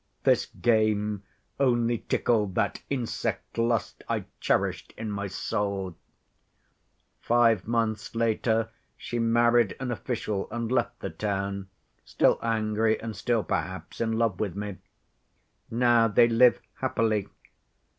This game only tickled that insect lust I cherished in my soul. Five months later she married an official and left the town, still angry, and still, perhaps, in love with me. Now they live happily.